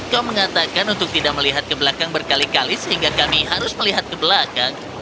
kau mengatakan untuk tidak melihat ke belakang berkali kali sehingga kami harus melihat ke belakang